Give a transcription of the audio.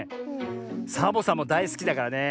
サボさんもだいすきだからね